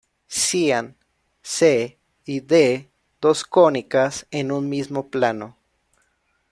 Sean "C" y "D" dos cónicas en un mismo plano.